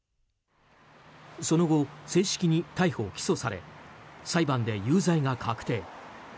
その後、正式に逮捕・起訴され裁判で有罪が確定。